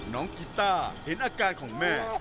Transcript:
น้องกิตต้าเห็นอาการของแม่